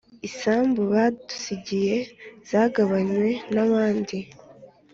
isambu badusigiye zagabanywe n'abandi